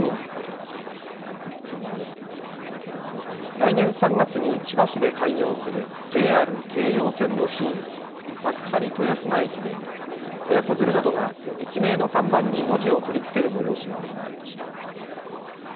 来年３月に千葉市で開業するＪＲ京葉線の新駅、幕張豊砂駅で親子連れなどが駅名の看板に文字を取り付ける催しが行われました。